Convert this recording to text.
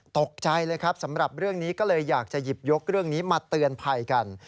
ตกใจเลยครับสำหรับเรื่องนี้ก็เลยอยากจะหยิบยกเรื่องนี้มาเตือนภัยกัน